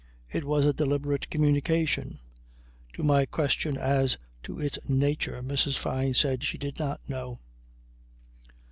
It was a deliberate communication. To my question as to its nature Mrs. Fyne said she did not know.